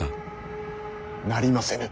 なりませぬ。